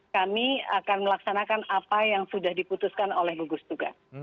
kami akan melaksanakan apa yang sudah diputuskan oleh gugus tugas